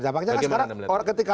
dampaknya kan sekarang ketika